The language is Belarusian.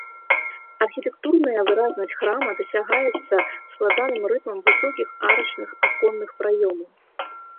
Архітэктурная выразнасць храма дасягаецца складаным рытмам высокіх арачных аконных праёмаў.